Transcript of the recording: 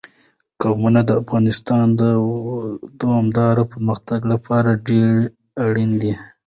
قومونه د افغانستان د دوامداره پرمختګ لپاره ډېر اړین دي.